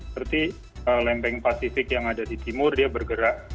seperti lempeng pasifik yang ada di timur dia bergerak